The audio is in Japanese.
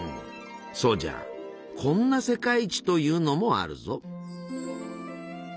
そうじゃこんな「世界一」というのもあるぞ。